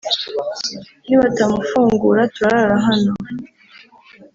nibatamufungura turara hano